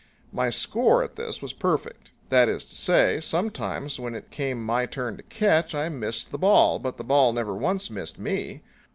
My score at this was perfect; that is to say, sometimes when it came my turn to catch I missed the ball, but the ball never once missed me.